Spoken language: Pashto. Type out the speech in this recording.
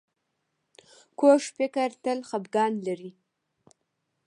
کوږ فکر تل خپګان لري